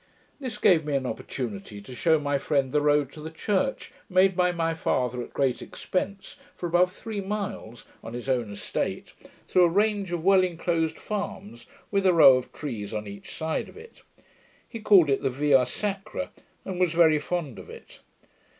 This gave me an opportunity to shew my friend the road to the church, made by my father at a great expence, for above three miles, on his own estate, through a range of well enclosed farms, with a row of trees on each side of it. He called it the Via sacra, and was very fond of it.